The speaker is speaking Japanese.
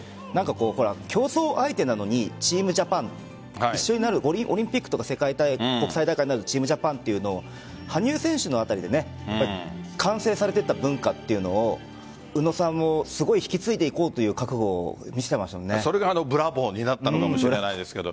競争相手なのにチームジャパンオリンピックとか国際大会になるとチームジャパンって羽生選手のあたりで完成されていた文化というのを宇野さんもすごい引き継いでいこうというそれがブラボーになったのかもしれないですが。